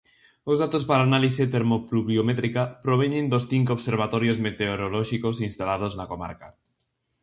Os datos para a análise termopluviométrica proveñen dos cinco observatorios meteorolóxicos instalados na comarca.